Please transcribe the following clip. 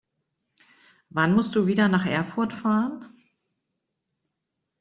Wann musst du wieder nach Erfurt fahren?